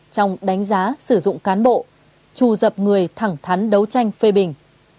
trong đánh giá sử dụng cán bộ trù dập người thẳng thắn đấu tranh phê bình